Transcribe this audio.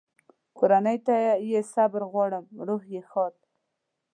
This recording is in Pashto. کورنۍ ته یې صبر غواړم، روح یې ښاد.